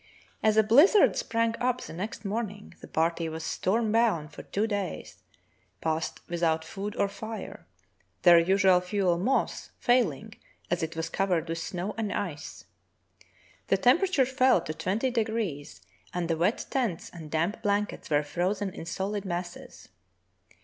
As a bhzzard sprang up the next morn ing, the party was storm bound for two days — passed without food or fire, their usual fuel, moss, failing, as it was covered with snow and ice. The temperature fell to twenty degrees and the wet tents and damp blankets were frozen in solid masses.